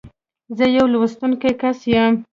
زه يو لوستونکی کس یم.